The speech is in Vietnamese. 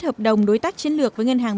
hợp đồng đối tác chiến lược với ngân hàng